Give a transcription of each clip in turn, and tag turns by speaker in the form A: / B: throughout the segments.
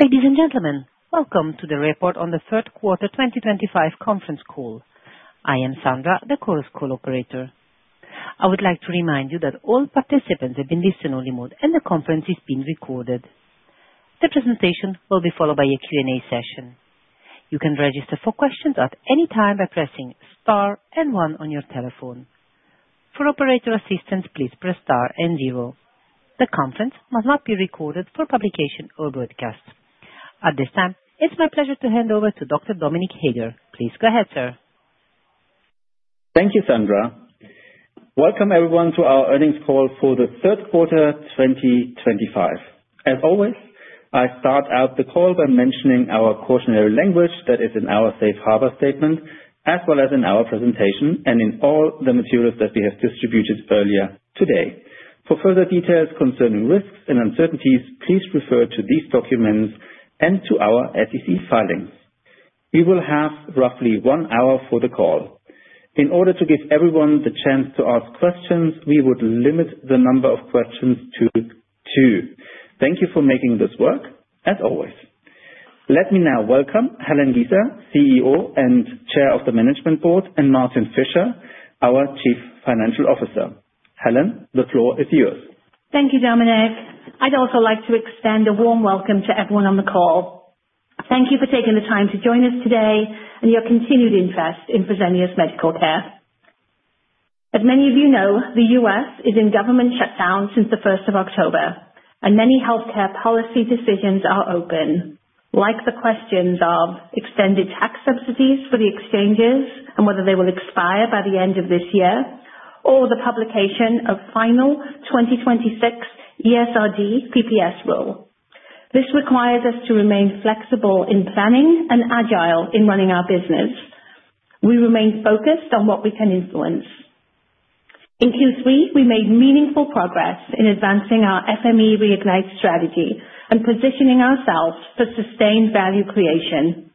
A: Ladies and gentlemen, welcome to the report on the Third Quarter 2025 Conference Call. I am Sandra, the call operator. I would like to remind you that all participants have been placed in listen-only mode, and the conference is being recorded. The presentation will be followed by a Q&A session. You can register for questions at any time by pressing star and one on your telephone. For operator assistance, please press star and zero. The conference must not be recorded for publication or broadcast. At this time, it's my pleasure to hand over to Doctor Dominik Heger. Please go ahead, sir.
B: Thank you, Sandra. Welcome everyone to our earnings call for the third quarter 2025. As always, I start out the call by mentioning our cautionary language that is in our safe harbor statement, as well as in our presentation and in all the materials that we have distributed earlier today. For further details concerning risks and uncertainties, please refer to these documents and to our SEC filings. We will have roughly one hour for the call. In order to give everyone the chance to ask questions, we would limit the number of questions to two. Thank you for making this work, as always. Let me now welcome Helen Giza, CEO and Chair of the Management Board, and Martin Fischer, our Chief Financial Officer. Helen, the floor is yours.
C: Thank you, Dominik. I'd also like to extend a warm welcome to everyone on the call. Thank you for taking the time to join us today and your continued interest in Fresenius Medical Care. As many of you know, the U.S. is in government shutdown since the 1st of October, and many healthcare policy decisions are open, like the questions of extended tax subsidies for the exchanges and whether they will expire by the end of this year, or the publication of final 2026 ESRD PPS rule. This requires us to remain flexible in planning and agile in running our business. We remain focused on what we can influence. In Q3, we made meaningful progress in advancing our FME Reignite strategy and positioning ourselves for sustained value creation.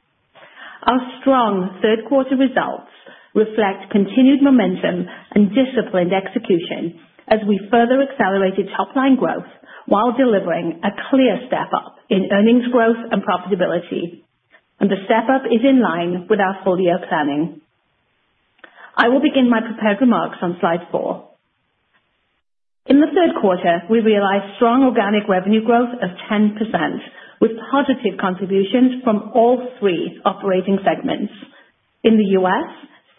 C: Our strong third quarter results reflect continued momentum and disciplined execution as we further accelerated top line growth while delivering a clear step up in earnings growth and profitability, and the step up is in line with our full year planning. I will begin my prepared remarks on slide four. In the third quarter, we realized strong organic revenue growth of 10% with positive contributions from all three operating segments. In the U.S.,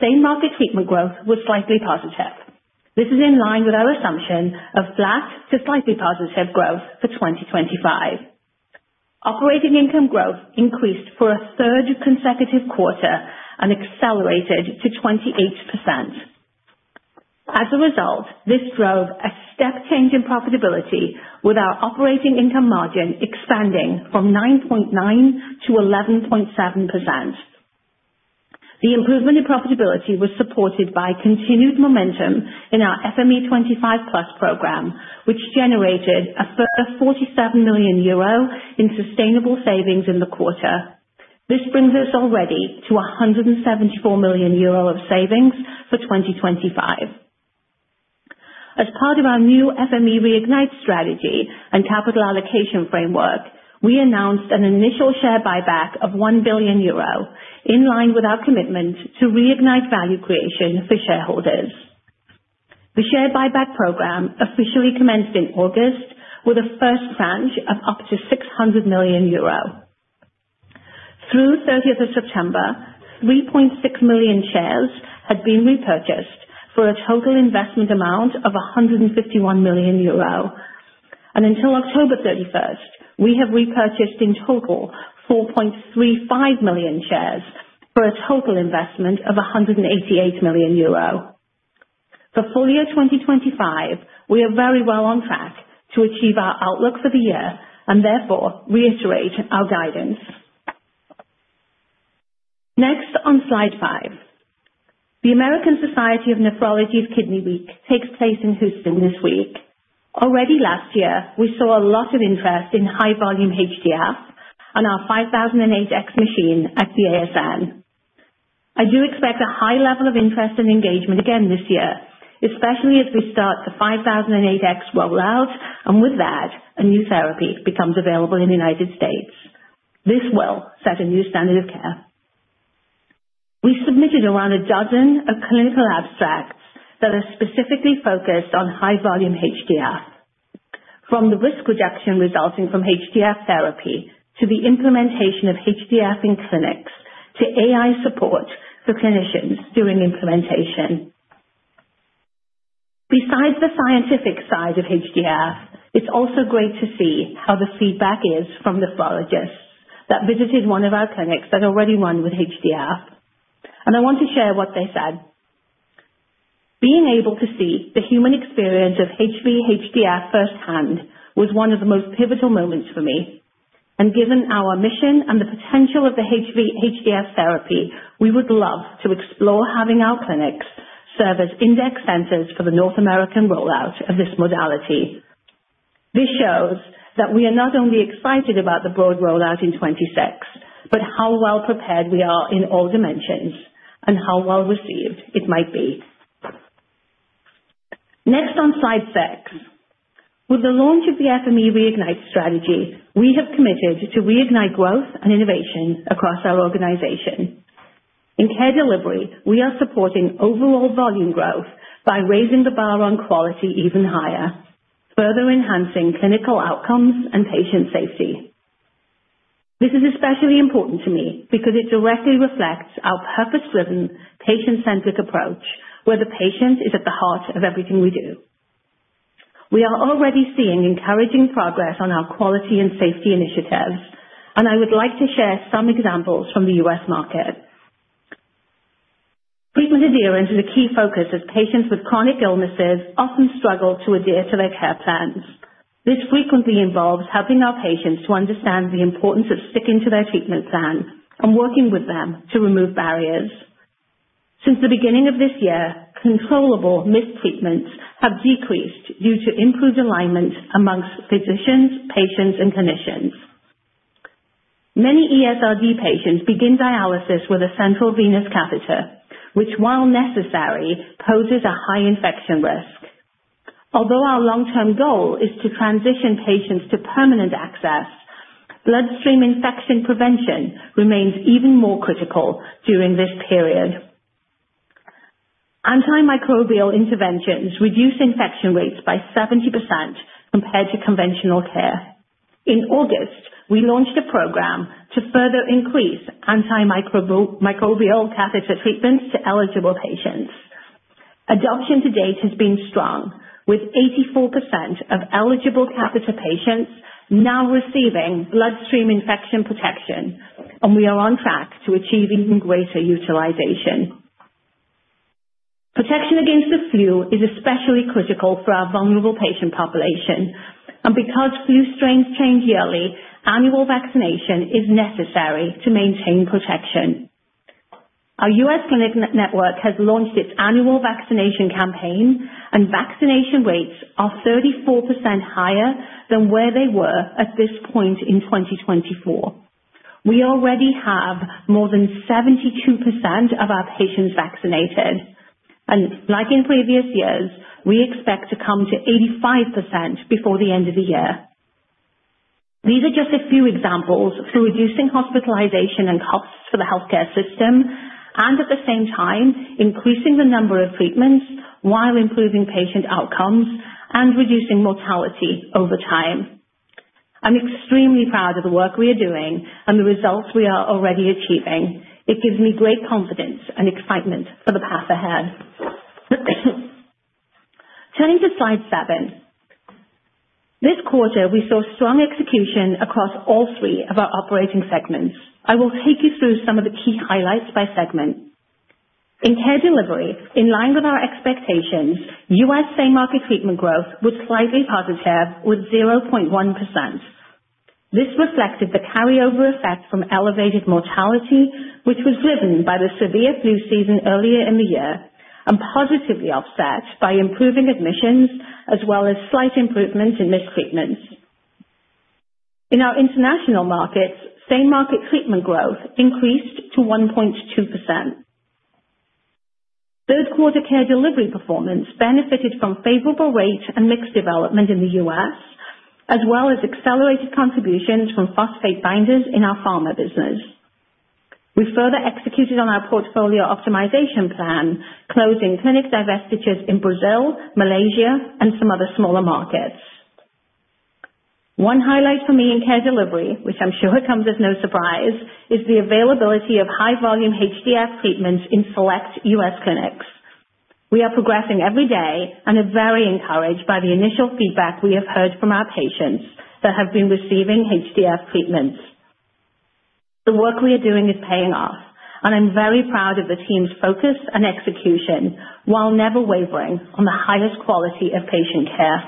C: Same Market Treatment Growth was slightly positive. This is in line with our assumption of flat to slightly positive growth for 2025. Operating income growth increased for a third consecutive quarter and accelerated to 28%. As a result, this drove a step change in profitability with our operating income margin expanding from 9.9% to 11.7%. The improvement in profitability was supported by continued momentum in our FME25+ program, which generated a further 47 million euro in sustainable savings in the quarter. This brings us already to 174 million euro of savings for 2025. As part of our new FME Reignite strategy and capital allocation framework, we announced an initial share buyback of 1 billion euro in line with our commitment to reignite value creation for shareholders. The share buyback program officially commenced in August with a first tranche of up to 600 million euro. Through 30th of September, 3.6 million shares had been repurchased for a total investment amount of 151 million euro. And until October 31st, we have repurchased in total 4.35 million shares for a total investment of 188 million euro. For full year 2025, we are very well on track to achieve our outlook for the year and therefore reiterate our guidance. Next on slide five, the American Society of Nephrology's Kidney Week takes place in Houston this week. Already last year, we saw a lot of interest in high volume HDF on our 5008X machine at the ASN. I do expect a high level of interest and engagement again this year, especially as we start the 5008X rollout and with that, a new therapy becomes available in the United States. This will set a new standard of care. We submitted around a dozen clinical abstracts that are specifically focused on high volume HDF, from the risk reduction resulting from HDF therapy to the implementation of HDF in clinics to AI support for clinicians during implementation. Besides the scientific side of HDF, it's also great to see how the feedback is from nephrologists that visited one of our clinics that already run with HDF. And I want to share what they said. Being able to see the human experience of HV HDF firsthand was one of the most pivotal moments for me, and given our mission and the potential of the HV HDF therapy, we would love to explore having our clinics serve as index centers for the North American rollout of this modality. This shows that we are not only excited about the broad rollout in 2026, but how well prepared we are in all dimensions and how well received it might be. Next on slide six, with the launch of the FME Reignite strategy, we have committed to reignite growth and innovation across our organization. In Care Delivery, we are supporting overall volume growth by raising the bar on quality even higher, further enhancing clinical outcomes and patient safety. This is especially important to me because it directly reflects our purpose-driven, patient-centric approach where the patient is at the heart of everything we do. We are already seeing encouraging progress on our quality and safety initiatives, and I would like to share some examples from the U.S. market. Treatment adherence is a key focus as patients with chronic illnesses often struggle to adhere to their care plans. This frequently involves helping our patients to understand the importance of sticking to their treatment plan and working with them to remove barriers. Since the beginning of this year, controllable missed treatments have decreased due to improved alignment among physicians, patients, and clinicians. Many ESRD patients begin dialysis with a central venous catheter, which, while necessary, poses a high infection risk. Although our long-term goal is to transition patients to permanent access, bloodstream infection prevention remains even more critical during this period. Antimicrobial interventions reduce infection rates by 70% compared to conventional care. In August, we launched a program to further increase antimicrobial catheter treatments to eligible patients. Adoption to date has been strong, with 84% of eligible catheter patients now receiving bloodstream infection protection, and we are on track to achieving greater utilization. Protection against the flu is especially critical for our vulnerable patient population. And because flu strains change yearly, annual vaccination is necessary to maintain protection. Our U.S. clinic network has launched its annual vaccination campaign, and vaccination rates are 34% higher than where they were at this point in 2024. We already have more than 72% of our patients vaccinated. And like in previous years, we expect to come to 85% before the end of the year. These are just a few examples for reducing hospitalization and costs for the healthcare system, and at the same time, increasing the number of treatments while improving patient outcomes and reducing mortality over time. I'm extremely proud of the work we are doing and the results we are already achieving. It gives me great confidence and excitement for the path ahead. Turning to slide seven, this quarter we saw strong execution across all three of our operating segments. I will take you through some of the key highlights by segment. In Care Delivery, in line with our expectations, U.S. Same Market Treatment Growth was slightly positive with 0.1%. This reflected the carryover effect from elevated mortality, which was driven by the severe flu season earlier in the year and positively offset by improving admissions as well as slight improvements in missed treatments. In our international markets, Same Market Treatment Growth increased to 1.2%. Third quarter Care Delivery performance benefited from favorable rate and mixed development in the U.S., as well as accelerated contributions from phosphate binders in our pharma business. We further executed on our portfolio optimization plan, closing clinic divestitures in Brazil, Malaysia, and some other smaller markets. One highlight for me in Care Delivery, which I'm sure comes as no surprise, is the availability of high volume HDF treatments in select U.S. clinics. We are progressing every day and are very encouraged by the initial feedback we have heard from our patients that have been receiving HDF treatments. The work we are doing is paying off, and I'm very proud of the team's focus and execution while never wavering on the highest quality of patient care.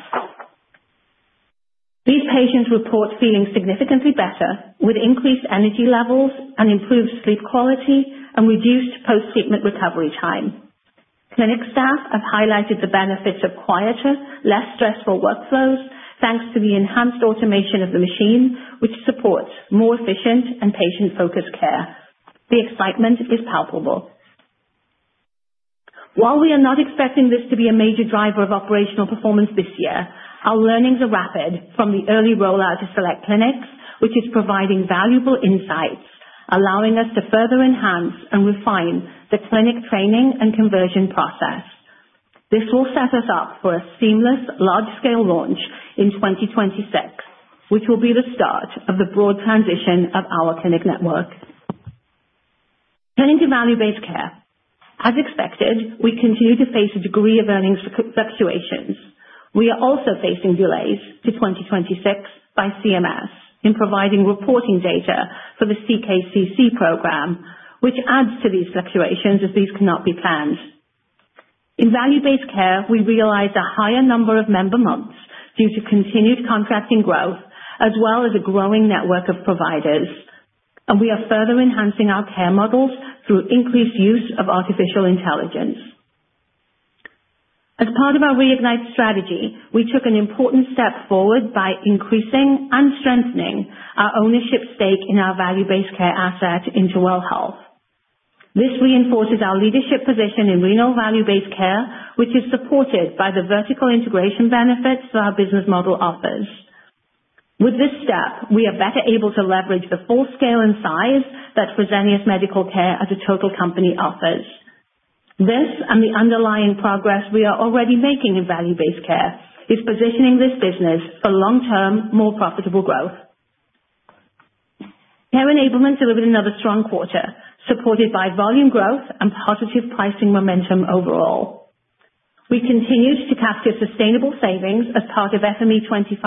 C: These patients report feeling significantly better with increased energy levels and improved sleep quality and reduced post-treatment recovery time. Clinic staff have highlighted the benefits of quieter, less stressful workflows thanks to the enhanced automation of the machine, which supports more efficient and patient-focused care. The excitement is palpable. While we are not expecting this to be a major driver of operational performance this year, our learnings are rapid from the early rollout to select clinics, which is providing valuable insights, allowing us to further enhance and refine the clinic training and conversion process. This will set us up for a seamless large-scale launch in 2026, which will be the start of the broad transition of our clinic network. Turning to Value-Based Care, as expected, we continue to face a degree of earnings fluctuations. We are also facing delays to 2026 by CMS in providing reporting data for the CKCC program, which adds to these fluctuations as these cannot be planned. In Value-Based Care, we realize a higher number of member months due to continued contracting growth as well as a growing network of providers. We are further enhancing our care models through increased use of artificial intelligence. As part of our Reignite strategy, we took an important step forward by increasing and strengthening our ownership stake in our Value-Based Care asset InterWell Health. This reinforces our leadership position in renal Value-Based Care, which is supported by the vertical integration benefits that our business model offers. With this step, we are better able to leverage the full scale and size that Fresenius Medical Care as a total company offers. This and the underlying progress we are already making in Value-Based Care is positioning this business for long-term, more profitable growth. Care Enablement delivered another strong quarter supported by volume growth and positive pricing momentum overall. We continue to capture sustainable savings as part of FME25+,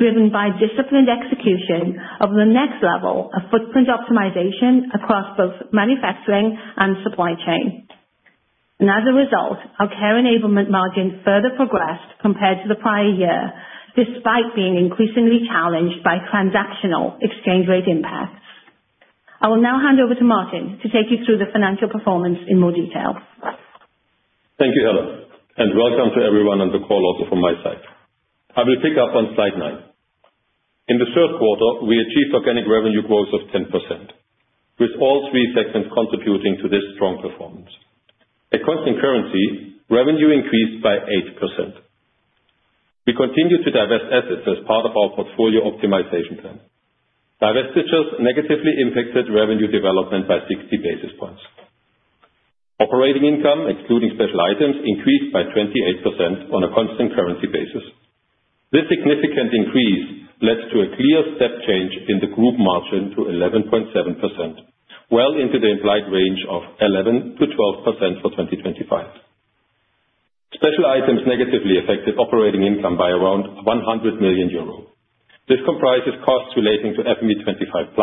C: driven by disciplined execution of the next level of footprint optimization across both manufacturing and supply chain. And as a result, our Care Enablement margin further progressed compared to the prior year, despite being increasingly challenged by transactional exchange rate impacts. I will now hand over to Martin to take you through the financial performance in more detail.
D: Thank you, Helen, and welcome to everyone and the call also from my side. I will pick up on slide nine. In the third quarter, we achieved organic revenue growth of 10%, with all three segments contributing to this strong performance. At constant currency, revenue increased by 8%. We continue to divest assets as part of our portfolio optimization plan. Divestitures negatively impacted revenue development by 60 basis points. Operating income, excluding special items, increased by 28% on a constant currency basis. This significant increase led to a clear step change in the group margin to 11.7%, well into the implied range of 11%-12% for 2025. Special items negatively affected operating income by around €100 million. This comprises costs relating to FME25+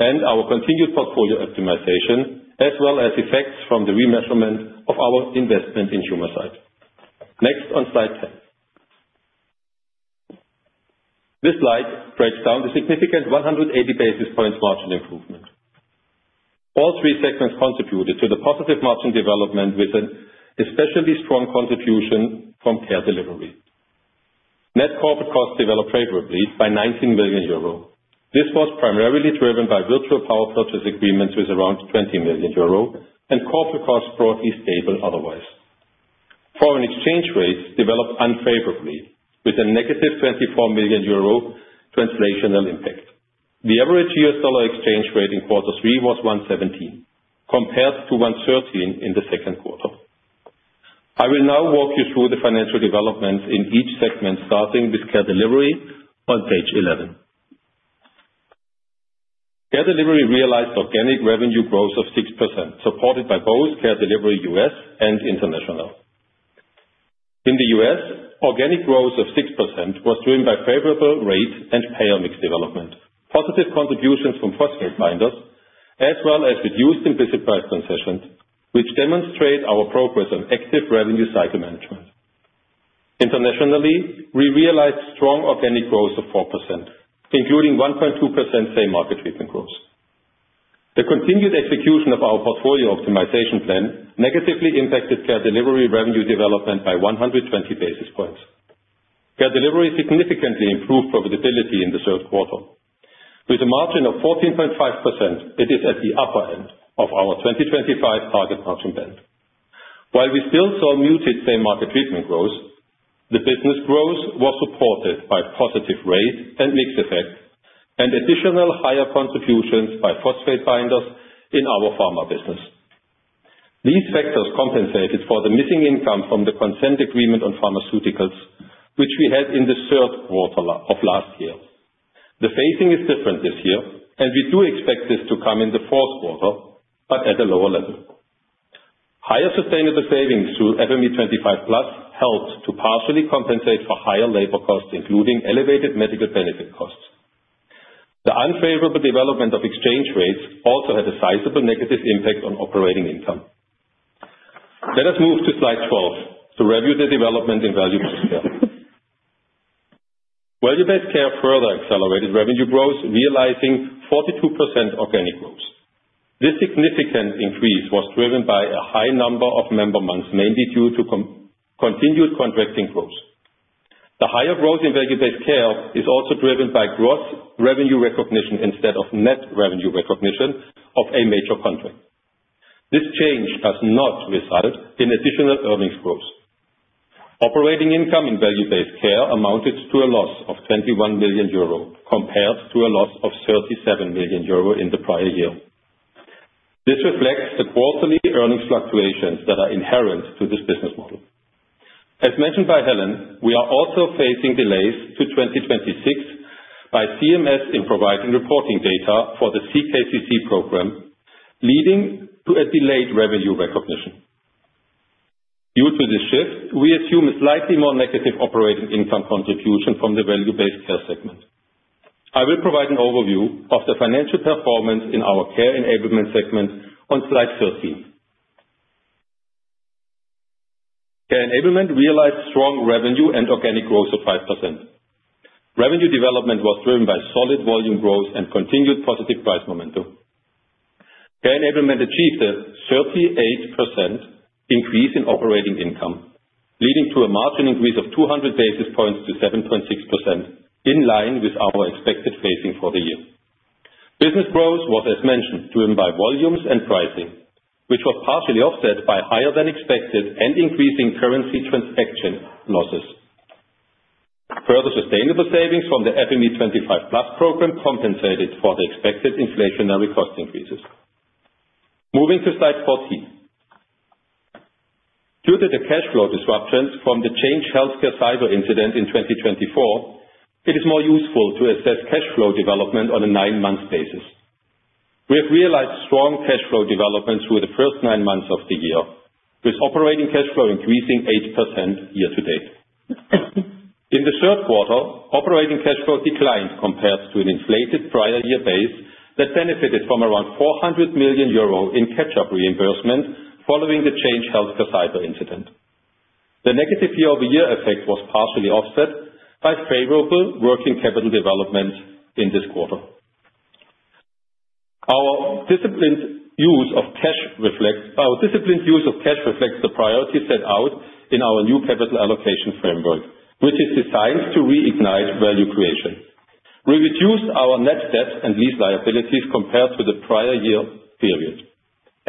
D: and our continued portfolio optimization, as well as effects from the remeasurement of our investment in Humacyte. Next on slide 10. This slide breaks down the significant 180 basis points margin improvement. All three segments contributed to the positive margin development with an especially strong contribution from Care Delivery. Net corporate costs developed favorably by €19 million. This was primarily driven by virtual power purchase agreements with around 20 million euro and corporate costs broadly stable otherwise. Foreign exchange rates developed unfavorably with a negative 24 million euro translational impact. The average U.S. dollar exchange rate in quarter three was 117, compared to 113 in the second quarter. I will now walk you through the financial developments in each segment, starting with Care Delivery on page 11. Care Delivery realized organic revenue growth of 6%, supported by both Care Delivery U.S. and international. In the U.S., organic growth of 6% was driven by favorable rate and payer mix development, positive contributions from phosphate binders, as well as reduced implicit price concessions, which demonstrate our progress on active revenue cycle management. Internationally, we realized strong organic growth of 4%, including 1.2% Same Market Treatment Growth. The continued execution of our portfolio optimization plan negatively impacted Care Delivery revenue development by 120 basis points. Care Delivery significantly improved profitability in the third quarter. With a margin of 14.5%, it is at the upper end of our 2025 target margin band. While we still saw muted Same Market Treatment Growth, the business growth was supported by positive rate and mix effect and additional higher contributions by phosphate binders in our pharma business. These factors compensated for the missing income from the consent agreement on pharmaceuticals, which we had in the third quarter of last year. The phasing is different this year, and we do expect this to come in the fourth quarter, but at a lower level. Higher sustainable savings through FME25+ helped to partially compensate for higher labor costs, including elevated medical benefit costs. The unfavorable development of exchange rates also had a sizable negative impact on operating income. Let us move to slide 12 to review the development in Value-Based Care. Value-Based Care further accelerated revenue growth, realizing 42% organic growth. This significant increase was driven by a high number of member months, mainly due to continued contracting growth. The higher growth in Value-Based Care is also driven by gross revenue recognition instead of net revenue recognition of a major contract. This change does not result in additional earnings growth. Operating income in Value-Based Care amounted to a loss of 21 million euro compared to a loss of 37 million euro in the prior year. This reflects the quarterly earnings fluctuations that are inherent to this business model. As mentioned by Helen, we are also facing delays to 2026 by CMS in providing reporting data for the CKCC program, leading to a delayed revenue recognition. Due to this shift, we assume a slightly more negative operating income contribution from the Value-Based Care segment. I will provide an overview of the financial performance in our Care Enablement segment on slide 13. Care Enablement realized strong revenue and organic growth of 5%. Revenue development was driven by solid volume growth and continued positive price momentum. Care Enablement achieved a 38% increase in operating income, leading to a margin increase of 200 basis points to 7.6%, in line with our expected phasing for the year. Business growth was, as mentioned, driven by volumes and pricing, which were partially offset by higher than expected and increasing currency transaction losses. Further sustainable savings from the FME 25+ program compensated for the expected inflationary cost increases. Moving to slide 14. Due to the cash flow disruptions from the Change Healthcare cyber incident in 2024, it is more useful to assess cash flow development on a nine-month basis. We have realized strong cash flow developments through the first nine months of the year, with operating cash flow increasing 8% year to date. In the third quarter, operating cash flow declined compared to an inflated prior year base that benefited from around €400 million in catch-up reimbursement following the Change Healthcare cyber incident. The negative year-over-year effect was partially offset by favorable working capital development in this quarter. Our disciplined use of cash reflects the priority set out in our new capital allocation framework, which is designed to reignite value creation. We reduced our net debt and lease liabilities compared to the prior year period.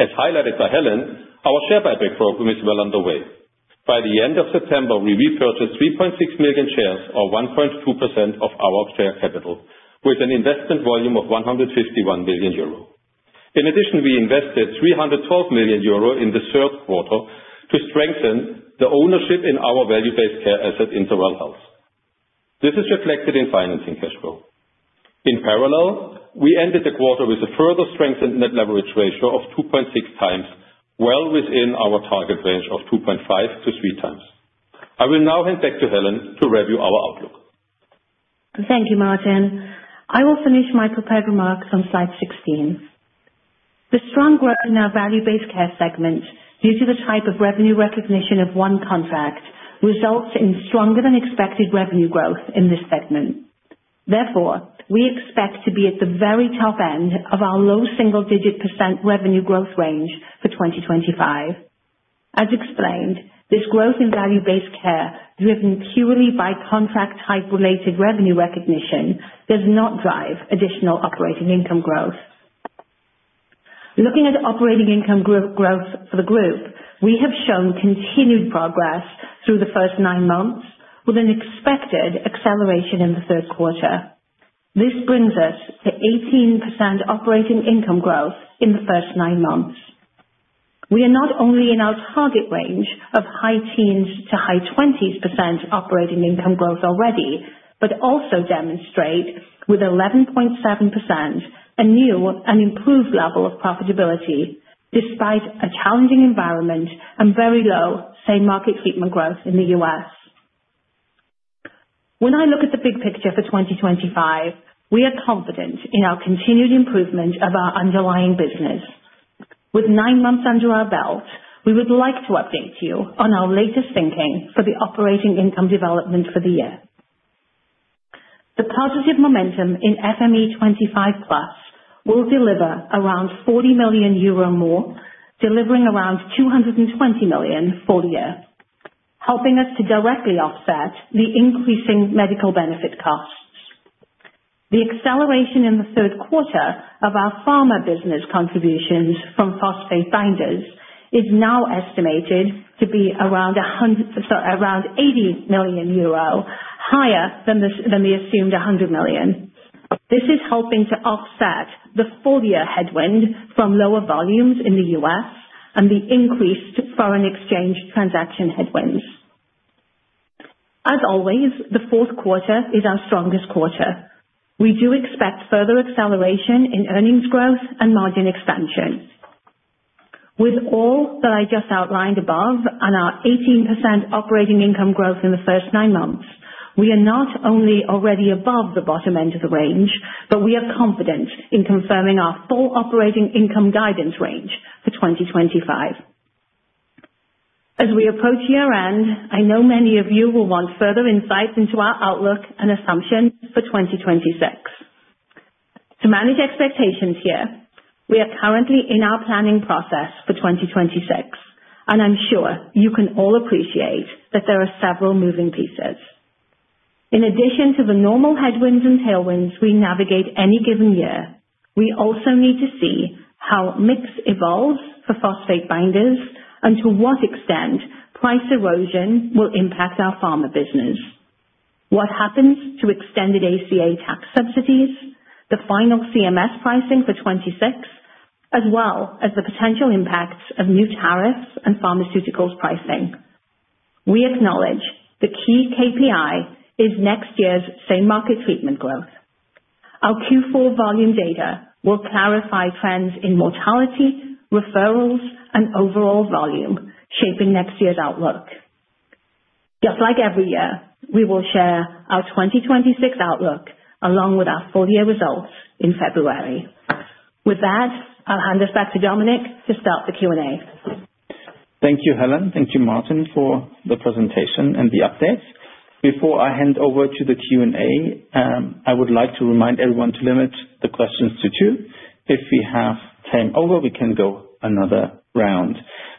D: As highlighted by Helen, our share buyback program is well underway. By the end of September, we repurchased 3.6 million shares, or 1.2% of our share capital, with an investment volume of €151 million. In addition, we invested €312 million in the third quarter to strengthen the ownership in our Value-Based Care asset in InterWell Health. This is reflected in financing cash flow. In parallel, we ended the quarter with a further strengthened net leverage ratio of 2.6 times, well within our target range of 2.5-3 times. I will now hand back to Helen to review our outlook.
C: Thank you, Martin. I will finish my prepared remarks on slide 16. The strong growth in our Value-Based Care segment, due to the type of revenue recognition of one contract, results in stronger than expected revenue growth in this segment. Therefore, we expect to be at the very top end of our low single-digit % revenue growth range for 2025. As explained, this growth in Value-Based Care, driven purely by contract-type related revenue recognition, does not drive additional operating income growth. Looking at operating income growth for the group, we have shown continued progress through the first nine months, with an expected acceleration in the third quarter. This brings us to 18% operating income growth in the first nine months. We are not only in our target range of high teens to high twenties % operating income growth already, but also demonstrate with 11.7% a new and improved level of profitability, despite a challenging environment and very low Same Market Treatment Growth in the U.S. When I look at the big picture for 2025, we are confident in our continued improvement of our underlying business. With nine months under our belt, we would like to update you on our latest thinking for the operating income development for the year. The positive momentum in FME 25+ will deliver around €40 million more, delivering around €220 million for the year, helping us to directly offset the increasing medical benefit costs. The acceleration in the third quarter of our pharma business contributions from phosphate binders is now estimated to be around €80 million, higher than the assumed €100 million. This is helping to offset the full year headwind from lower volumes in the U.S. and the increased foreign exchange transaction headwinds. As always, the fourth quarter is our strongest quarter. We do expect further acceleration in earnings growth and margin expansion. With all that I just outlined above and our 18% operating income growth in the first nine months, we are not only already above the bottom end of the range, but we are confident in confirming our full operating income guidance range for 2025. As we approach year-end, I know many of you will want further insights into our outlook and assumptions for 2026. To manage expectations here, we are currently in our planning process for 2026, and I'm sure you can all appreciate that there are several moving pieces. In addition to the normal headwinds and tailwinds we navigate any given year, we also need to see how mix evolves for phosphate binders and to what extent price erosion will impact our pharma business. What happens to extended ACA tax subsidies, the final CMS pricing for 2026, as well as the potential impacts of new tariffs and pharmaceuticals pricing. We acknowledge the key KPI is next year's Same Market Treatment Growth. Our Q4 volume data will clarify trends in mortality, referrals, and overall volume shaping next year's outlook. Just like every year, we will share our 2026 outlook along with our full year results in February. With that, I'll hand us back to Dominik to start the Q&A.
B: Thank you, Helen. Thank you, Martin, for the presentation and the updates. Before I hand over to the Q&A, I would like to remind everyone to limit the questions to two. If we have time over, we can go another round.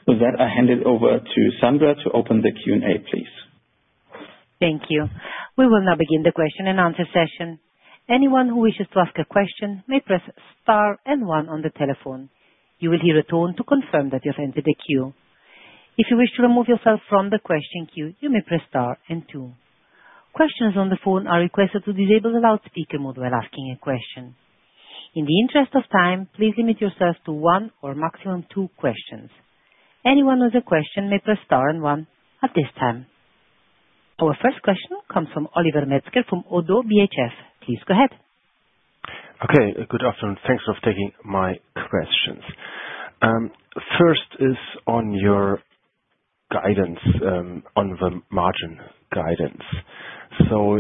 B: With that, I hand it over to Sandra to open the Q&A, please.
A: Thank you. We will now begin the question and answer session. Anyone who wishes to ask a question may press star and one on the telephone. You will hear a tone to confirm that you've entered the queue. If you wish to remove yourself from the question queue, you may press star and two. Questions on the phone are requested to disable the loudspeaker mode while asking a question. In the interest of time, please limit yourself to one or maximum two questions. Anyone with a question may press star and one at this time. Our first question comes from Oliver Metzger from ODDO BHF. Please go ahead.
E: Okay. Good afternoon. Thanks for taking my questions. First is on your guidance, on the margin guidance. So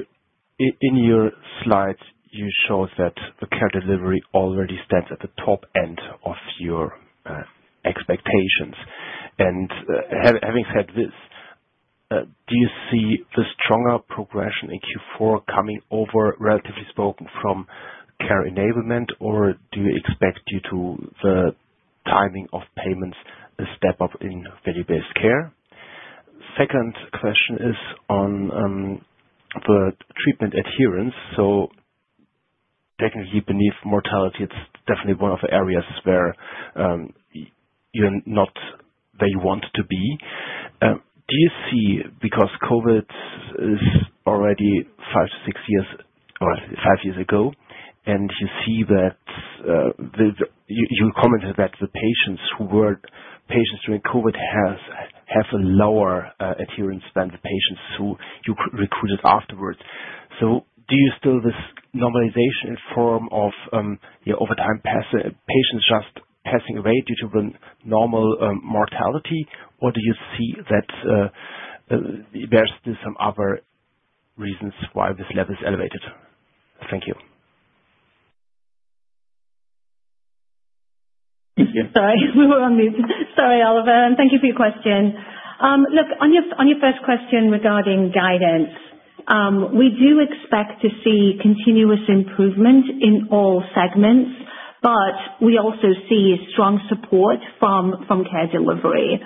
E: in your slides, you show that the Care Delivery already stands at the top end of your expectations. And having said this, do you see the stronger progression in Q4 coming over, relatively speaking, from Care Enablement, or do you expect due to the timing of payments a step up in Value-Based Care? Second question is on the treatment adherence. So technically, beneath mortality, it's definitely one of the areas where you're not where you want to be. Do you see, because COVID is already five to six years or five years ago, and you see that you commented that the patients who were patients during COVID have a lower adherence than the patients who you recruited afterwards. So do you still see this normalization in the form of over time patients just passing away due to the normal mortality, or do you see that there's still some other reasons why this level is elevated? Thank you.
C: Sorry, we were on mute. Sorry, Oliver. And thank you for your question. Look, on your first question regarding guidance, we do expect to see continuous improvement in all segments, but we also see strong support from Care Delivery.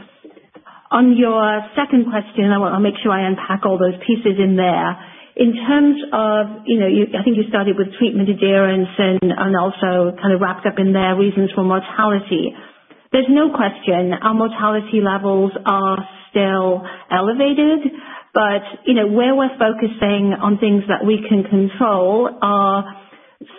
C: On your second question, I want to make sure I unpack all those pieces in there. In terms of, I think you started with treatment adherence and also kind of wrapped up in there reasons for mortality, there's no question our mortality levels are still elevated, but where we're focusing on things that we can control are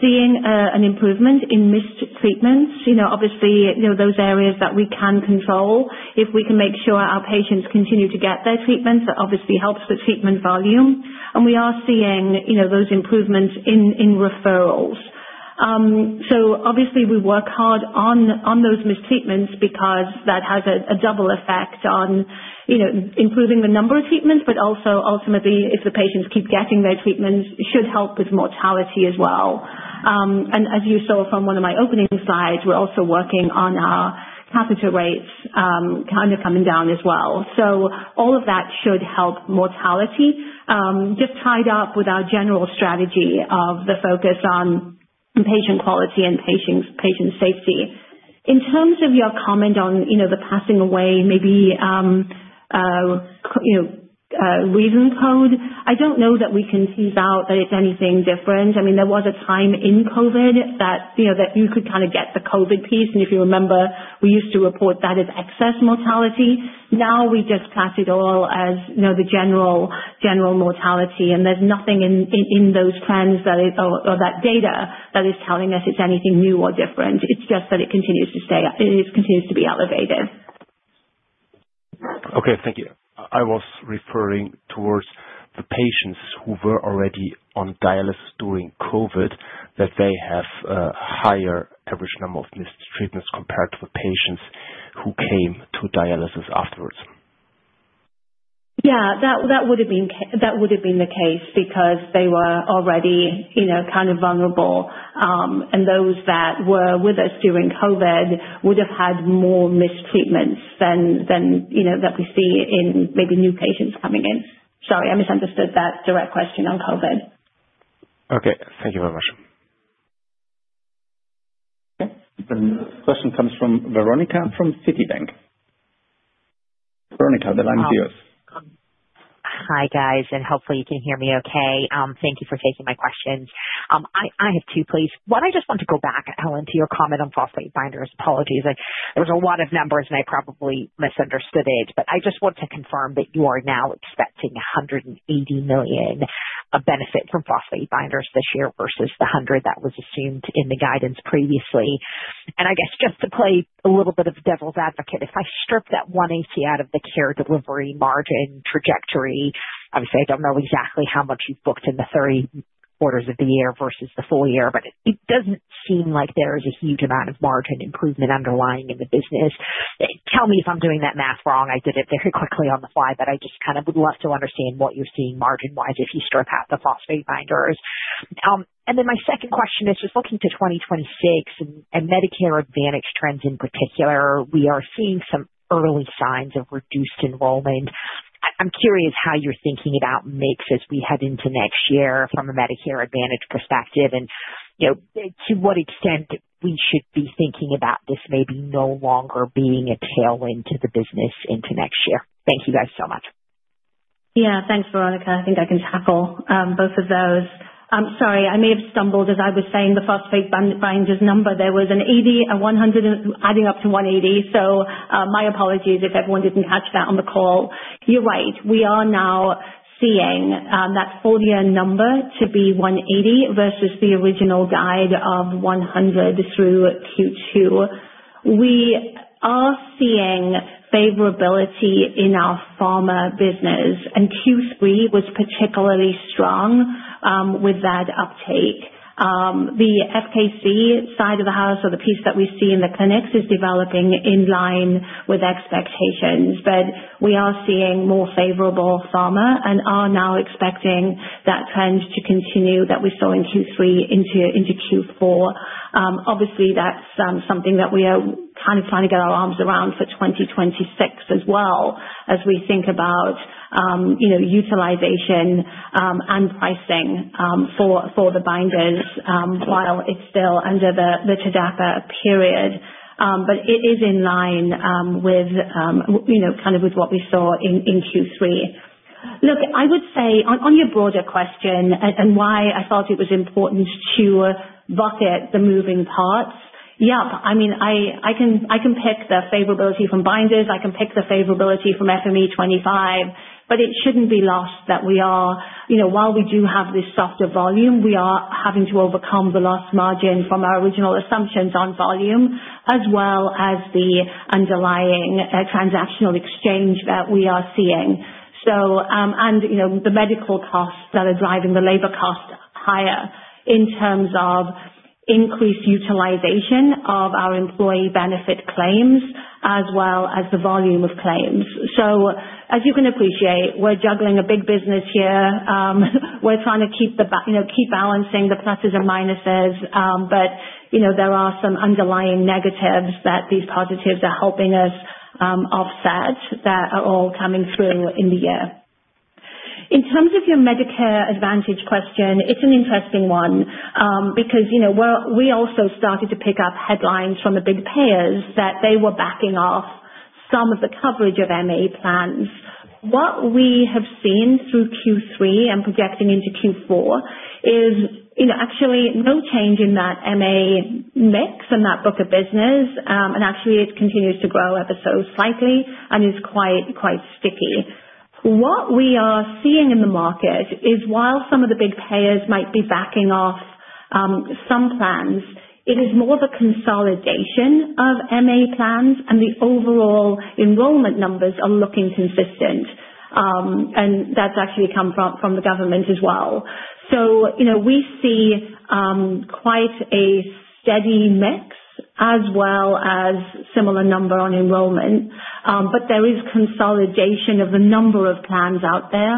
C: seeing an improvement in missed treatments. Obviously, those areas that we can control, if we can make sure our patients continue to get their treatments, that obviously helps with treatment volume, and we are seeing those improvements in referrals, so obviously, we work hard on those missed treatments because that has a double effect on improving the number of treatments, but also ultimately, if the patients keep getting their treatments, should help with mortality as well. And as you saw from one of my opening slides, we're also working on our catheter rates kind of coming down as well. So all of that should help mortality just tied up with our general strategy of the focus on patient quality and patient safety. In terms of your comment on the passing away, maybe reason code, I don't know that we can tease out that it's anything different. I mean, there was a time in COVID that you could kind of get the COVID piece, and if you remember, we used to report that as excess mortality. Now we just class it all as the general mortality, and there's nothing in those trends or that data that is telling us it's anything new or different. It's just that it continues to be elevated.
E: Okay. Thank you. I was referring towards the patients who were already on dialysis during COVID, that they have a higher average number of missed treatments compared to the patients who came to dialysis afterwards.
C: Yeah. That would have been the case because they were already kind of vulnerable, and those that were with us during COVID would have had more missed treatments than that we see in maybe new patients coming in. Sorry, I misunderstood that direct question on COVID.
E: Okay. Thank you very much.
A: The question comes from Veronica from Citibank. Veronica, the line's yours. Hi, guys, and hopefully, you can hear me okay. Thank you for taking my questions. I have two, please. One, I just want to go back, Helen, to your comment on phosphate binders. Apologies. There was a lot of numbers, and I probably misunderstood it. But I just want to confirm that you are now expecting €180 million of benefit from phosphate binders this year versus the €100 million that was assumed in the guidance previously. And I guess just to play a little bit of devil's advocate, if I strip that €180 million out of the Care Delivery margin trajectory, obviously, I don't know exactly how much you've booked in the three quarters of the year versus the full year, but it doesn't seem like there is a huge amount of margin improvement underlying in the business. Tell me if I'm doing that math wrong. I did it very quickly on the fly, but I just kind of would love to understand what you're seeing margin-wise if you strip out the phosphate binders. And then my second question is just looking to 2026 and Medicare Advantage trends in particular, we are seeing some early signs of reduced enrollment. I'm curious how you're thinking about mix as we head into next year from a Medicare Advantage perspective and to what extent we should be thinking about this maybe no longer being a tailwind to the business into next year. Thank you guys so much.
C: Yeah. Thanks, Veronica. I think I can tackle both of those. Sorry, I may have stumbled. As I was saying, the phosphate binders number, there was an 80, a 100, adding up to 180. So my apologies if everyone didn't catch that on the call. You're right. We are now seeing that full year number to be 180 versus the original guide of 100 through Q2. We are seeing favorability in our pharma business. Q3 was particularly strong with that uptake. The FKC side of the house, or the piece that we see in the clinics, is developing in line with expectations. We are seeing more favorable pharma and are now expecting that trend to continue that we saw in Q3 into Q4. Obviously, that's something that we are kind of trying to get our arms around for 2026 as well as we think about utilization and pricing for the binders while it's still under the TDAPA period. It is in line with kind of with what we saw in Q3. Look, I would say on your broader question and why I thought it was important to bucket the moving parts, yep, I mean, I can pick the favorability from binders. I can pick the favorability from FME25, but it shouldn't be lost that we are, while we do have this softer volume, we are having to overcome the lost margin from our original assumptions on volume as well as the underlying transactional exchange that we are seeing. And the medical costs that are driving the labor cost higher in terms of increased utilization of our employee benefit claims as well as the volume of claims. So as you can appreciate, we're juggling a big business here. We're trying to keep balancing the pluses and minuses. But there are some underlying negatives that these positives are helping us offset that are all coming through in the year. In terms of your Medicare Advantage question, it's an interesting one because we also started to pick up headlines from the big payers that they were backing off some of the coverage of MA plans. What we have seen through Q3 and projecting into Q4 is actually no change in that MA mix and that book of business, and actually, it continues to grow ever so slightly and is quite sticky. What we are seeing in the market is while some of the big payers might be backing off some plans, it is more of a consolidation of MA plans and the overall enrollment numbers are looking consistent, and that's actually come from the government as well, so we see quite a steady mix as well as similar number on enrollment. But there is consolidation of the number of plans out there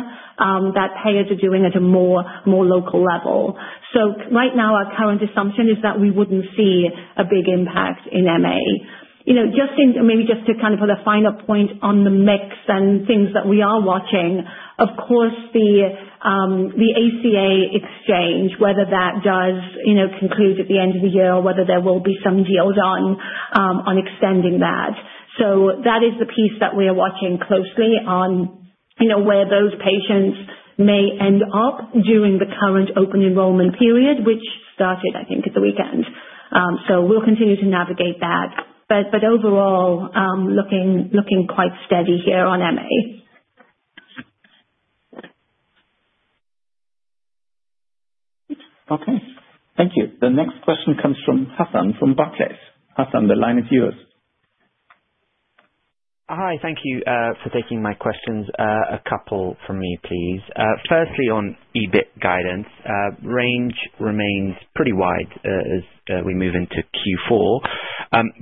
C: that payers are doing at a more local level. So right now, our current assumption is that we wouldn't see a big impact in MA. Just maybe just to kind of put a final point on the mix and things that we are watching, of course, the ACA exchange, whether that does conclude at the end of the year or whether there will be some deals on extending that. So that is the piece that we are watching closely on where those patients may end up during the current open enrollment period, which started, I think, at the weekend. So we'll continue to navigate that. But overall, looking quite steady here on MA.
A: Okay. Thank you. The next question comes from Hassan from Barclays. Hassan, the line is yours. Hi. Thank you for taking my questions. A couple from me, please. Firstly, on EBIT guidance, range remains pretty wide as we move into Q4.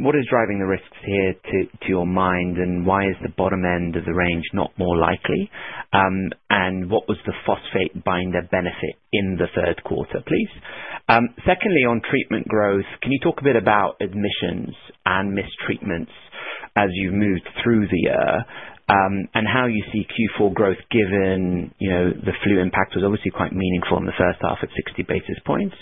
A: What is driving the risks here to your mind, and why is the bottom end of the range not more likely? And what was the phosphate binder benefit in the third quarter, please? Secondly, on treatment growth, can you talk a bit about admissions and missed treatments as you've moved through the year and how you see Q4 growth given the flu impact was obviously quite meaningful in the first half at 60 basis points?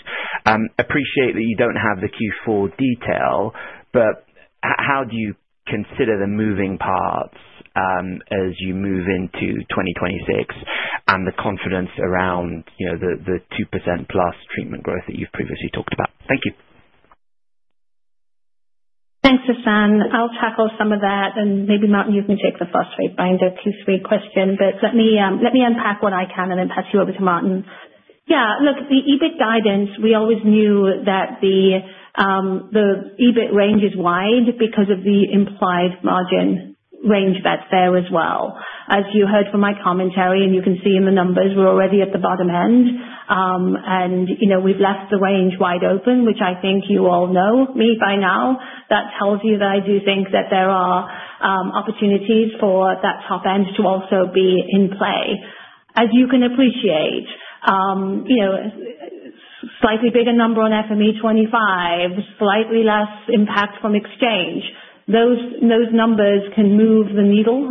A: Appreciate that you don't have the Q4 detail, but how do you consider the moving parts as you move into 2026 and the confidence around the 2% plus treatment growth that you've previously talked about? Thank you.
C: Thanks, Hassan. I'll tackle some of that. And maybe, Martin, you can take the phosphate binder Q3 question, but let me unpack what I can and then pass you over to Martin. Yeah. Look, the EBIT guidance, we always knew that the EBIT range is wide because of the implied margin range that's there as well. As you heard from my commentary, and you can see in the numbers, we're already at the bottom end. And we've left the range wide open, which I think you all know me by now. That tells you that I do think that there are opportunities for that top end to also be in play. As you can appreciate, slightly bigger number on FME 25, slightly less impact from exchange. Those numbers can move the needle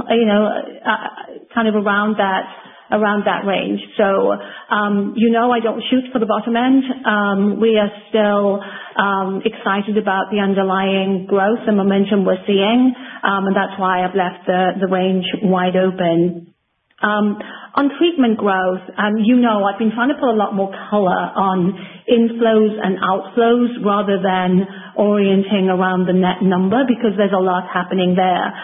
C: kind of around that range. So I don't shoot for the bottom end. We are still excited about the underlying growth and momentum we're seeing. That's why I've left the range wide open. On treatment growth, you know I've been trying to put a lot more color on inflows and outflows rather than orienting around the net number because there's a lot happening there.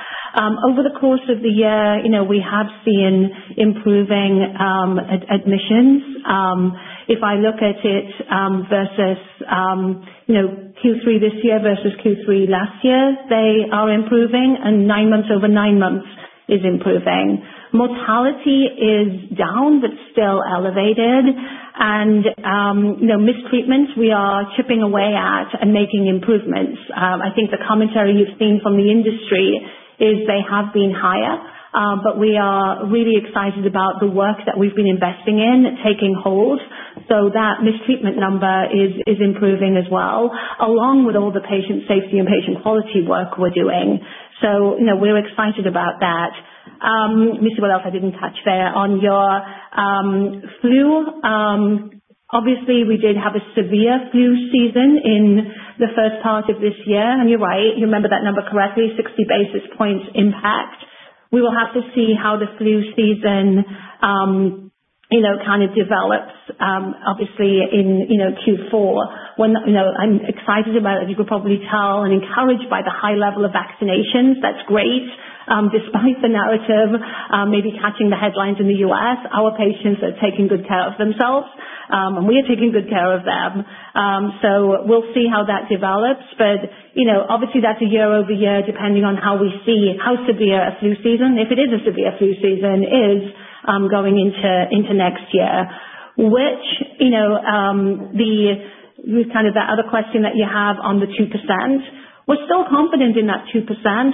C: Over the course of the year, we have seen improving admissions. If I look at it versus Q3 this year versus Q3 last year, they are improving. And nine months over nine months is improving. Mortality is down but still elevated. And missed treatments, we are chipping away at and making improvements. I think the commentary you've seen from the industry is they have been higher, but we are really excited about the work that we've been investing in, taking hold. So that missed treatment number is improving as well, along with all the patient safety and patient quality work we're doing. So we're excited about that. Let me see what else I didn't touch there on your flu. Obviously, we did have a severe flu season in the first part of this year. And you're right. You remember that number correctly, 60 basis points impact. We will have to see how the flu season kind of develops, obviously, in Q4. I'm excited about, as you could probably tell, and encouraged by the high level of vaccinations. That's great. Despite the narrative, maybe catching the headlines in the U.S., our patients are taking good care of themselves. And we are taking good care of them. So we'll see how that develops. But obviously, that's a year-over-year depending on how we see how severe a flu season, if it is a severe flu season, is going into next year, which with kind of that other question that you have on the 2%, we're still confident in that 2%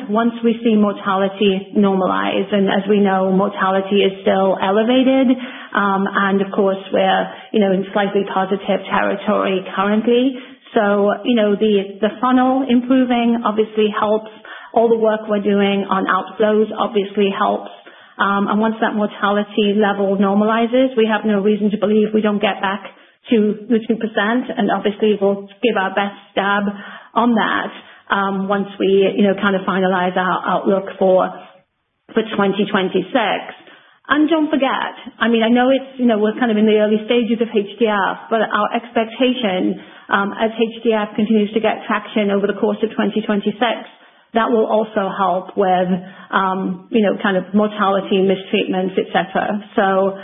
C: once we see mortality normalize, and as we know, mortality is still elevated, and of course, we're in slightly positive territory currently, so the funnel improving obviously helps. All the work we're doing on outflows obviously helps, and once that mortality level normalizes, we have no reason to believe we don't get back to the 2%, and obviously, we'll give our best stab on that once we kind of finalize our outlook for 2026. And don't forget, I mean, I know we're kind of in the early stages of HDF, but our expectation as HDF continues to get traction over the course of 2026, that will also help with kind of mortality, missed treatments, etc. So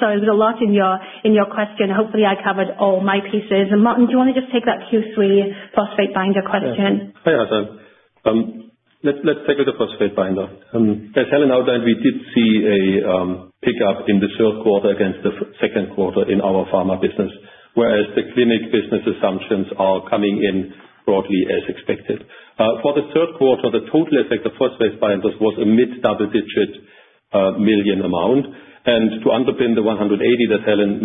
C: there's a lot in your question. Hopefully, I covered all my pieces. And Martin, do you want to just take that Q3 phosphate binder question?
D: Hi, Hassan. Let's take with the phosphate binder. As Helen outlined, we did see a pickup in the third quarter against the second quarter in our pharma business, whereas the clinic business assumptions are coming in broadly as expected. For the third quarter, the total effect of phosphate binders was a mid-double-digit million EUR amount. And to underpin the 180 that Helen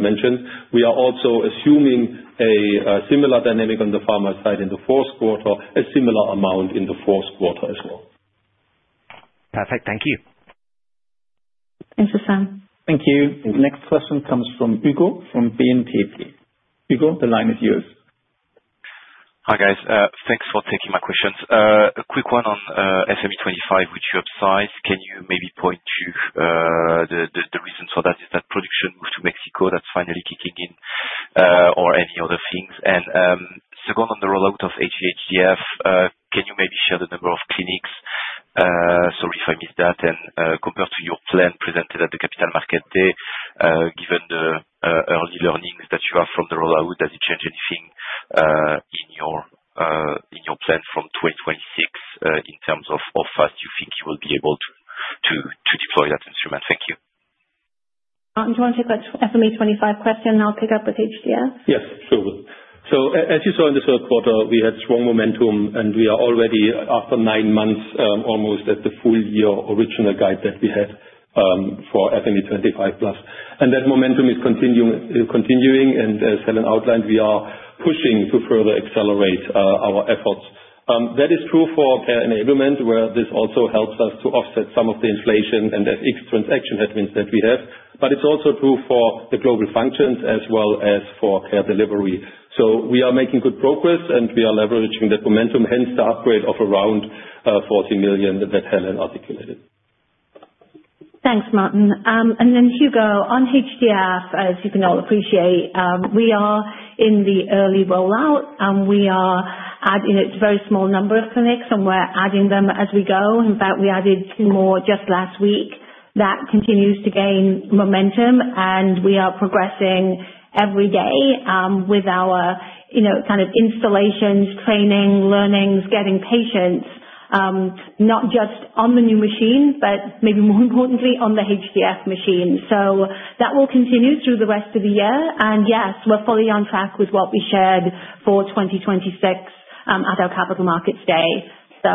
D: mentioned, we are also assuming a similar dynamic on the pharma side in the fourth quarter, a similar amount in the fourth quarter as well.
A: Perfect. Thank you.
C: Thanks, Hassan.
A: Thank you. The next question comes from Hugo from BNP Paribas. Hugo, the line is yours. Hi, guys. Thanks for taking my questions. A quick one on FME 25, which you have sized. Can you maybe point to the reasons for that? Is that production moved to Mexico? That's finally kicking in, or any other things? And second, on the rollout of HDF, can you maybe share the number of clinics? Sorry if I missed that. Compared to your plan presented at the Capital Market Day, given the early learnings that you have from the rollout, does it change anything in your plan from 2026 in terms of how fast you think you will be able to deploy that instrument? Thank you.
C: Martin, do you want to take that FME25 question and I'll pick up with HDF?
D: Yes, sure. As you saw in the third quarter, we had strong momentum, and we are already, after nine months, almost at the full-year original guide that we had for FME25+. That momentum is continuing. As Helen outlined, we are pushing to further accelerate our efforts. That is true for Care Enablement, where this also helps us to offset some of the inflation and FX transaction headwinds that we have. But it's also true for the global functions as well as for Care Delivery. So we are making good progress, and we are leveraging that momentum, hence the upgrade of around 40 million that Helen articulated.
C: Thanks, Martin. And then, Hugo, on HDF, as you can all appreciate, we are in the early rollout, and we are adding it to a very small number of clinics, and we're adding them as we go. In fact, we added two more just last week. That continues to gain momentum, and we are progressing every day with our kind of installations, training, learnings, getting patients, not just on the new machine, but maybe more importantly, on the HDF machine. So that will continue through the rest of the year. And yes, we're fully on track with what we shared for 2026 at our Capital Markets Day. So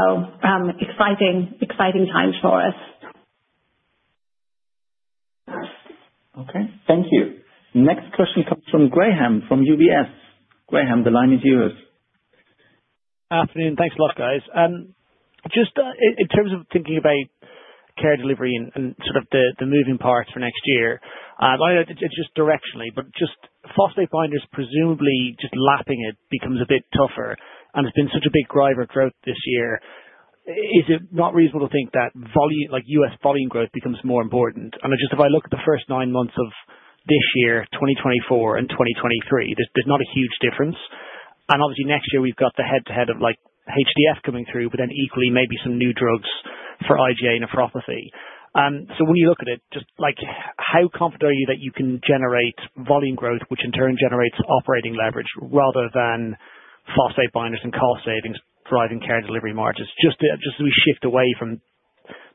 C: exciting times for us.
A: Okay. Thank you. Next question comes from Graham from UBS. Graham, the line is yours. Afternoon. Thanks a lot, guys. Just in terms of thinking about Care Delivery and sort of the moving parts for next year, it's just directionally, but just phosphate binders, presumably just lapping it becomes a bit tougher, and it's been such a big driver of growth this year. Is it not reasonable to think that U.S. volume growth becomes more important, and just if I look at the first nine months of this year, 2024 and 2023, there's not a huge difference, and obviously, next year, we've got the head-to-head of HDF coming through, but then equally, maybe some new drugs for IgA nephropathy. So when you look at it, just how confident are you that you can generate volume growth, which in turn generates operating leverage rather than phosphate binders and cost savings driving Care Delivery margins? Just as we shift away from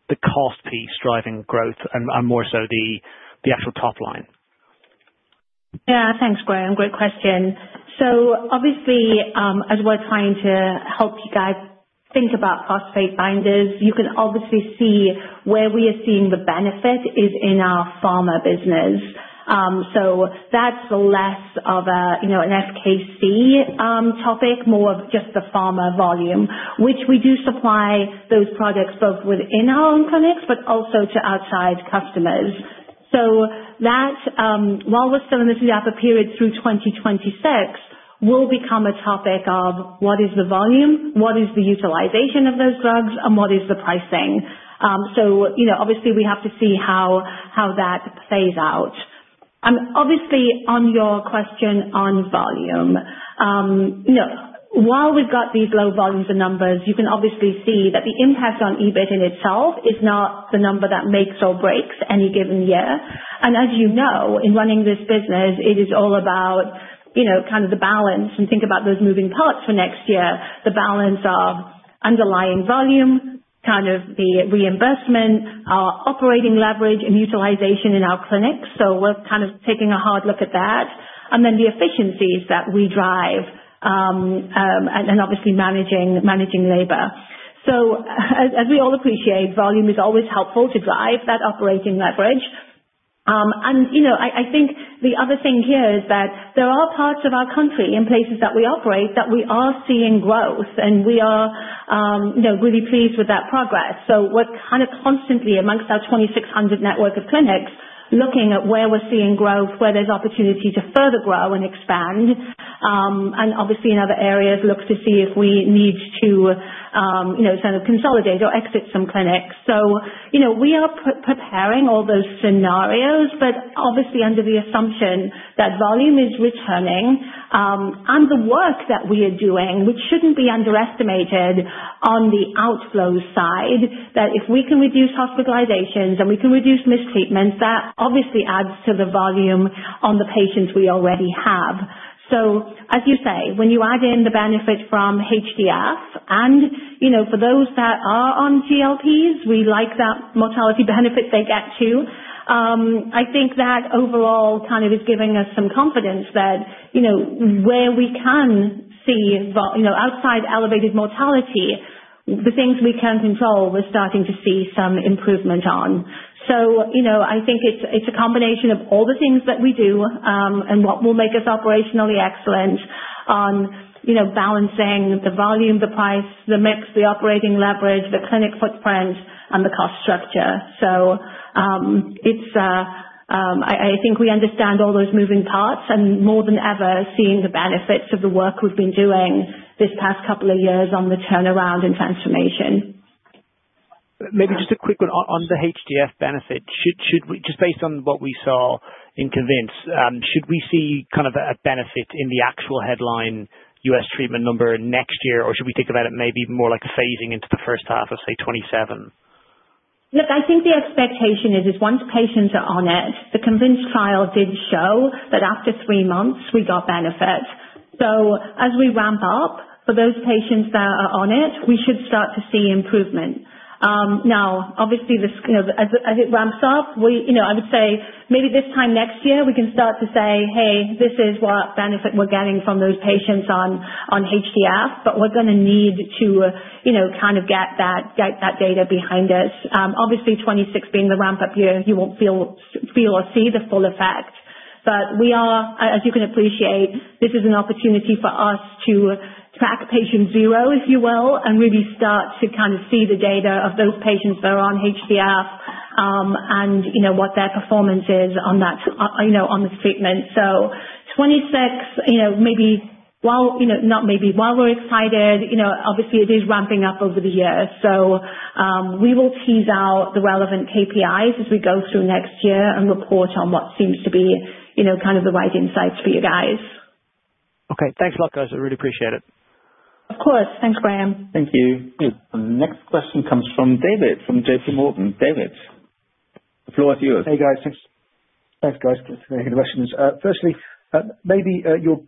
A: the cost piece driving growth and more so the actual top line.
C: Yeah. Thanks, Graham. Great question. So obviously, as we're trying to help you guys think about phosphate binders, you can obviously see where we are seeing the benefit is in our pharma business. So that's less of an FKC topic, more of just the pharma volume, which we do supply those products both within our own clinics but also to outside customers. So while we're still in the TDAPA period through 2026, we'll become a topic of what is the volume, what is the utilization of those drugs, and what is the pricing. So obviously, we have to see how that plays out. And obviously, on your question on volume, while we've got these low volumes and numbers, you can obviously see that the impact on EBIT in itself is not the number that makes or breaks any given year. And as you know, in running this business, it is all about kind of the balance. And think about those moving parts for next year, the balance of underlying volume, kind of the reimbursement, our operating leverage, and utilization in our clinics. So we're kind of taking a hard look at that. And then the efficiencies that we drive and obviously managing labor. So as we all appreciate, volume is always helpful to drive that operating leverage. I think the other thing here is that there are parts of our country and places that we operate that we are seeing growth, and we are really pleased with that progress, so we're kind of constantly amongst our 2,600 network of clinics looking at where we're seeing growth, where there's opportunity to further grow and expand, and obviously in other areas look to see if we need to sort of consolidate or exit some clinics, so we are preparing all those scenarios, but obviously under the assumption that volume is returning and the work that we are doing, which shouldn't be underestimated on the outflow side, that if we can reduce hospitalizations and we can reduce missed treatments, that obviously adds to the volume on the patients we already have. So as you say, when you add in the benefit from HDF and for those that are on GLPs, we like that mortality benefit they get to. I think that overall kind of is giving us some confidence that where we can see outside elevated mortality, the things we can control, we're starting to see some improvement on. So I think it's a combination of all the things that we do and what will make us operationally excellent on balancing the volume, the price, the mix, the operating leverage, the clinic footprint, and the cost structure. So I think we understand all those moving parts and more than ever seeing the benefits of the work we've been doing this past couple of years on the turnaround and transformation. Maybe just a quick one on the HDF benefit. Just based on what we saw in CONVINCE, should we see kind of a benefit in the actual headline U.S. treatment number next year, or should we think about it maybe more like a phasing into the first half of, say, 2027? Look, I think the expectation is once patients are on it, the CONVINCE trial did show that after three months, we got benefits. So as we ramp up for those patients that are on it, we should start to see improvement. Now, obviously, as it ramps up, I would say maybe this time next year, we can start to say, "Hey, this is what benefit we're getting from those patients on HDF," but we're going to need to kind of get that data behind us. Obviously, 2026 being the ramp-up year, you won't feel or see the full effect. But as you can appreciate, this is an opportunity for us to track patient zero, if you will, and really start to kind of see the data of those patients that are on HDF and what their performance is on the treatment. So 2026, maybe not maybe, while we're excited, obviously, it is ramping up over the year. So we will tease out the relevant KPIs as we go through next year and report on what seems to be kind of the right insights for you guys. Okay. Thanks a lot, guys. I really appreciate it. Of course. Thanks, Graham.
A: Thank you. The next question comes from David from JPMorgan. David, the floor is yours. Hey, guys. Thanks. Thanks, guys. Questions. Firstly, maybe your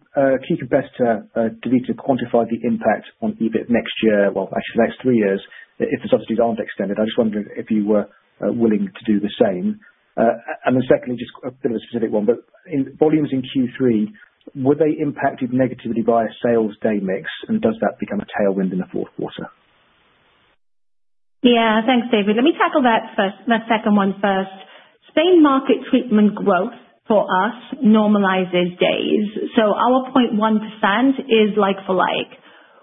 A: key competitor did need to quantify the impact on EBIT next year, well, actually the next three years if the subsidies aren't extended. I just wondered if you were willing to do the same, and then secondly, just a bit of a specific one, but volumes in Q3, were they impacted negatively by a sales day mix, and does that become a tailwind in the fourth quarter?
C: Yeah. Thanks, David. Let me tackle that second one first. Same Market Treatment Growth for us normalizes days, so our 0.1% is like for like.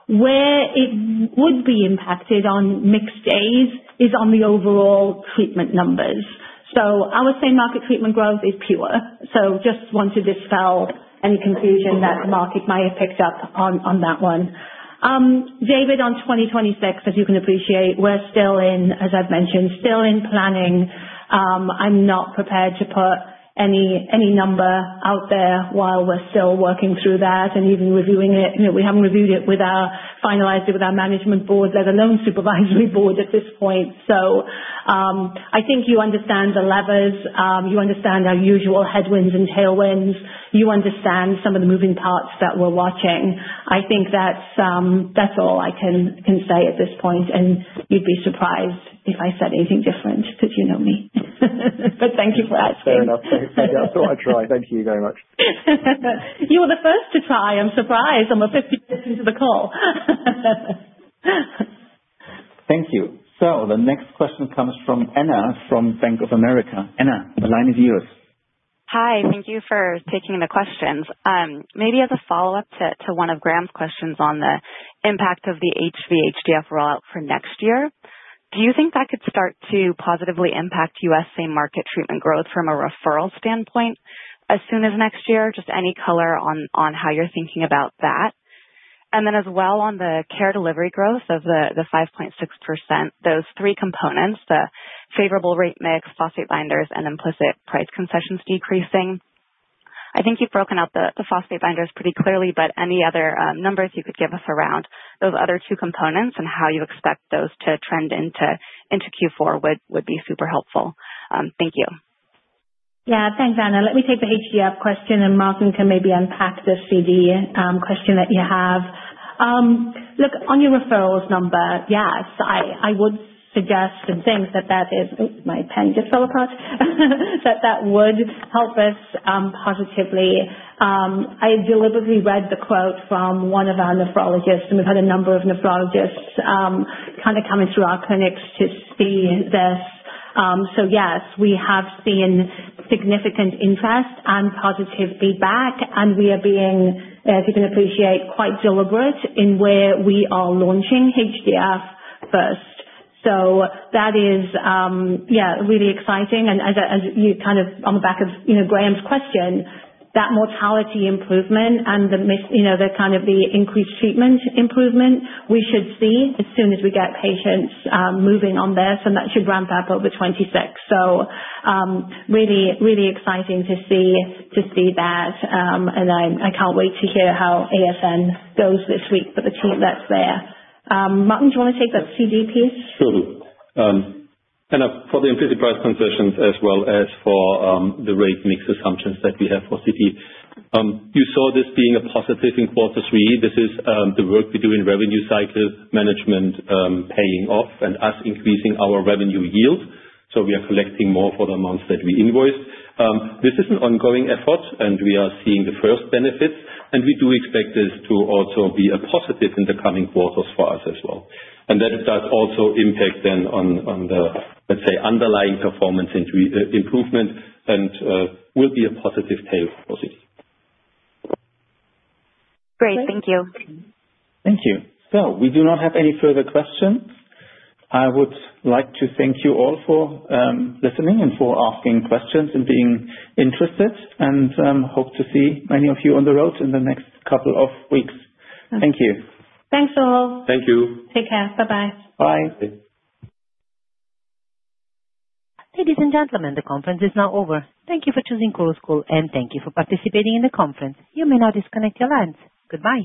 C: Where it would be impacted on mix days is on the overall treatment numbers, so our Same Market Treatment Growth is pure, so just want to dispel any confusion that the market might have picked up on that one. David, on 2026, as you can appreciate, we're still in, as I've mentioned, still in planning. I'm not prepared to put any number out there while we're still working through that and even reviewing it. We haven't reviewed it with our Management board, let alone finalized it with our Supervisory Board at this point. So I think you understand the levers. You understand our usual headwinds and tailwinds. You understand some of the moving parts that we're watching. I think that's all I can say at this point. And you'd be surprised if I said anything different because you know me. But thank you for asking. Fair enough. Thank you. That's what I try. Thank you very much. You were the first to try. I'm surprised. I'm only 50 seconds into the call.
A: Thank you. So the next question comes from Anna from Bank of America. Anna, the line is yours. Hi. Thank you for taking the questions. Maybe as a follow-up to one of Graham's questions on the impact of the HVHDF rollout for next year, do you think that could start to positively impact U.S. Same Market Treatment Growth from a referral standpoint as soon as next year? Just any color on how you're thinking about that. And then as well on the Care Delivery growth of the 5.6%, those three components, the favorable rate mix, phosphate binders, and implicit price concessions decreasing. I think you've broken out the phosphate binders pretty clearly, but any other numbers you could give us around those other two components and how you expect those to trend into Q4 would be super helpful. Thank you. Yeah.
C: Thanks, Anna. Let me take the HDF question, and Martin can maybe unpack the CD question that you have. Look, on your referrals number, yes, I would suggest and think that that is my pen just fell apart, that that would help us positively. I deliberately read the quote from one of our nephrologists, and we've had a number of nephrologists kind of coming through our clinics to see this. So yes, we have seen significant interest and positive feedback, and we are being, as you can appreciate, quite deliberate in where we are launching HDF first. So that is, yeah, really exciting. And as you kind of on the back of Graham's question, that mortality improvement and the kind of the increased treatment improvement, we should see as soon as we get patients moving on there. So that should ramp up over 2026. So really, really exciting to see that. And I can't wait to hear how ASN goes this week for the team that's there. Martin, do you want to take that CD piece?
D: Sure, and for the implicit price concessions as well as for the rate mix assumptions that we have for CD, you saw this being a positive in quarter three. This is the work we do in revenue cycle management paying off and us increasing our revenue yield. So we are collecting more for the amounts that we invoiced. This is an ongoing effort, and we are seeing the first benefits. And we do expect this to also be a positive in the coming quarters for us as well. And that does also impact then on the, let's say, underlying performance improvement and will be a positive tail for CD. Great. Thank you.
C: Thank you. So we do not have any further questions.
B: I would like to thank you all for listening and for asking questions and being interested, and hope to see many of you on the road in the next couple of weeks. Thank you.
C: Thanks all.
D: Thank you.
C: Take care. Bye-bye. Bye.
A: Ladies and gentlemen, the conference is now over. Thank you for choosing Chorus Call, and thank you for participating in the conference. You may now disconnect your lines. Goodbye.